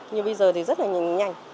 nhưng bây giờ thì rất là nhanh